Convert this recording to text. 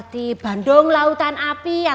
tidak ada apa apa